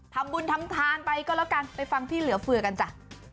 ทำบุญทำทานไปก็แล้วกันไปฟังพี่เหลือเฟือกันจ้ะ